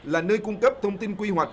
là nơi cung cấp thông tin quy hoạch